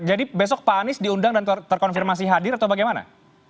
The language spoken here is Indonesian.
jadi besok pak anies diundang dan terkonfirmasi hadir atau bagaimana